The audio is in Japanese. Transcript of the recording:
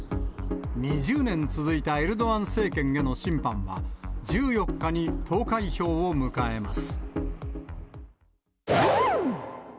２０年続いたエルドアン政権への審判は、１４日に投開票を迎えます。